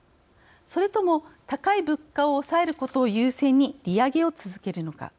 それとも高い物価を抑えることを優先に利上げを続けるのか。